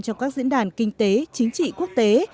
trong các diễn đàn kinh tế chính trị quốc tế